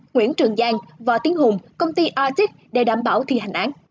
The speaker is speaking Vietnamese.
nguyễn trường giang võ tiến hùng công ty atic để đảm bảo thi hành án